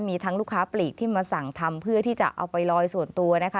มีทั้งลูกค้าปลีกที่มาสั่งทำเพื่อที่จะเอาไปลอยส่วนตัวนะคะ